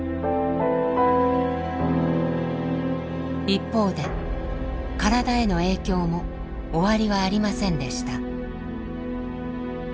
一方で体への影響も終わりはありませんでした。